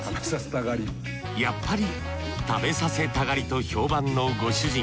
やっぱり食べさせたがりと評判のご主人。